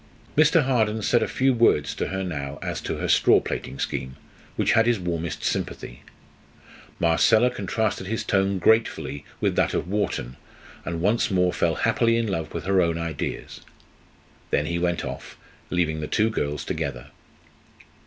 Mr. Harden said a few words to her now as to her straw plaiting scheme, which had his warmest sympathy Marcella contrasted his tone gratefully with that of Wharton, and once more fell happily in love with her own ideas then he went off, leaving the two girls together.